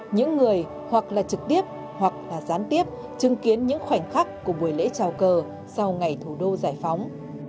những người hoặc là trực tiếp hoặc là gián tiếp chứng kiến những khoảnh khắc của buổi lễ trào cờ sau ngày thủ đô giải phóng